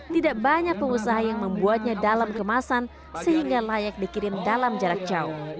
tidak banyak pengusaha yang membuatnya dalam kemasan sehingga layak dikirim dalam jarak jauh